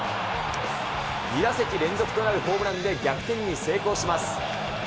２打席連続となるホームランで逆転に成功します。